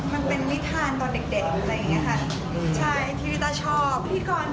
มันเป็นวิทานตัวนิดเด็กแล้วนะคะที่วิตาชอบ